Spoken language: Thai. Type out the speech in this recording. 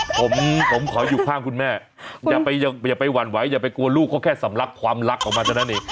ผมขออยู่ข้างคุณแม่อย่าไปหวั่นไหวอย่าไปกลัวลูกเขาแค่สำลักความรักของมันเท่านั้นเอง